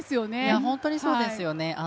本当にそうですよね。